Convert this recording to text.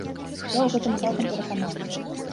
Я у гэтым цалкам перакананы.